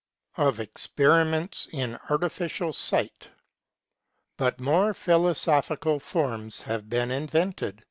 V. OF EXPERIMENTS IN ARTIFICIAL SIGHT. But more philosophical forms have been invented.